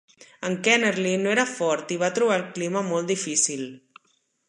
En Kennerley no era fort i va trobar el clima molt difícil.